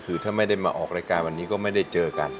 คือถ้าไม่ได้มาออกรายการวันนี้ก็ไม่ได้เจอกัน